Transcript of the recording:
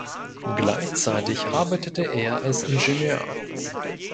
Gleichzeitig arbeitete er als Ingenieur.